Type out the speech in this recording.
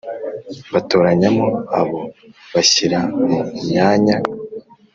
batoranyamo abo bashyira mu myanya